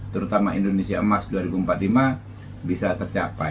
terutama indonesia emas dua ribu empat puluh lima bisa tercapai